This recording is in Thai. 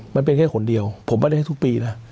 มันเป็นแค่ขนเดียวผมไม่ได้ให้ทุกปีนะ